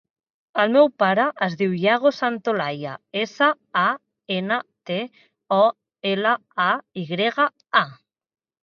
El meu pare es diu Iago Santolaya: essa, a, ena, te, o, ela, a, i grega, a.